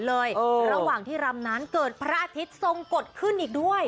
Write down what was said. ระหว่างที่รำนั้นเกิดพระอาทิตย์ทรงกฎขึ้นอีกด้วย